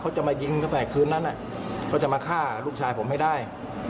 จะมายิงตั้งแต่คืนนั้นเขาจะมาฆ่าลูกชายผมให้ได้